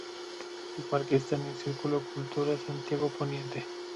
El parque está en el Circuito Cultura Santiago Poniente.